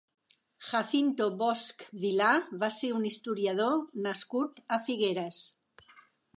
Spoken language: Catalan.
Jacinto Bosch Vilá va ser un historiador nascut a Figueres.